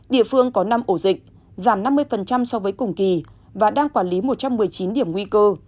địa phương có năm ổ dịch giảm năm mươi so với cùng kỳ và đang quản lý một trăm một mươi chín điểm nguy cơ